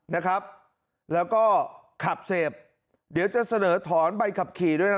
นะครับแล้วก็ขับเสพเดี๋ยวจะเสนอถอนใบขับขี่ด้วยนะ